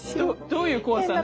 どういう怖さ？